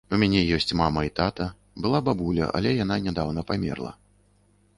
У мяне ёсць мама і тата, была бабуля, але яна нядаўна памерла.